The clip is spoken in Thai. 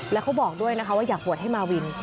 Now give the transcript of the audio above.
แล้วเขาบอกด้วยนะคะว่าอยากบวชให้มาวิน